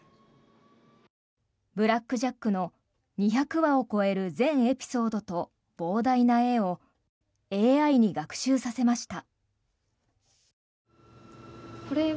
「ブラック・ジャック」の２００話を超える全エピソードと膨大な絵をＡＩに学習させました。